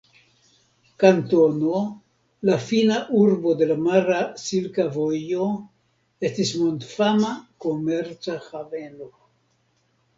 Kantono, la fina urbo de la mara Silka Vojo, estis mondfama komerca haveno.